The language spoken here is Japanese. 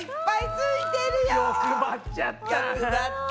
欲張っちゃった！